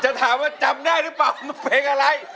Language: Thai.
จะถามว่าจำได้หรือป่าวเพลงอะไร